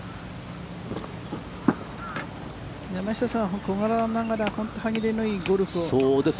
山下さんは小柄ながら、本当に歯切れのいいゴルフを。